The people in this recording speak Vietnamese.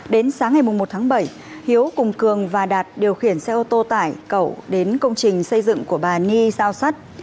đến sáng ngày một tháng bảy hiếu cùng cường và đạt điều khiển xe ô tô tải cậu đến công trình xây dựng của bà nhi giao sắt